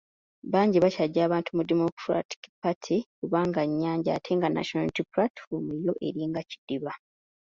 Bangi bakyaggya abantu mu Democratic Party kubanga nnyanja ate nga National Unity Platform yo eringa ekidiba.